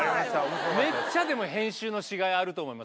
めっちゃでも編集のしがいあると思います